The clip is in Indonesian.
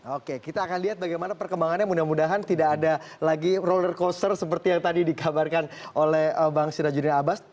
oke kita akan lihat bagaimana perkembangannya mudah mudahan tidak ada lagi roller coaster seperti yang tadi dikabarkan oleh bang sirajudin abbas